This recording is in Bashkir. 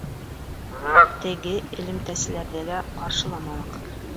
Теге элемтәселәрҙе лә ҡаршыламаныҡ.